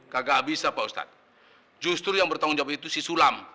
kagak bisa pak ustadz justru yang bertanggung jawab itu si sulam